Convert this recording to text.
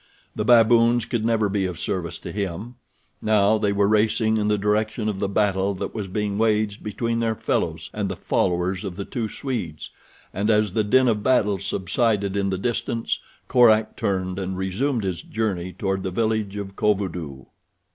The baboons could never be of service to him. Now they were racing in the direction of the battle that was being waged between their fellows and the followers of the two Swedes, and as the din of battle subsided in the distance, Korak turned and resumed his journey toward the village of Kovudoo.